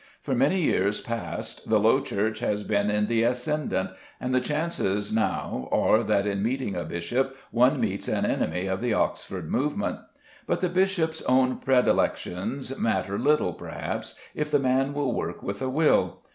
For many years past the Low Church has been in the ascendant, and the chances now are that in meeting a bishop one meets an enemy of the Oxford movement. But the bishop's own predilections matter little, perhaps, if the man will work with a will.